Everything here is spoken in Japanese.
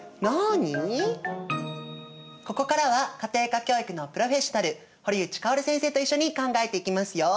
ここからは家庭科教育のプロフェッショナル堀内かおる先生と一緒に考えていきますよ。